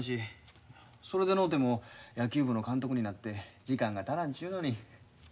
それでのうても野球部の監督になって時間が足らんちゅうのに。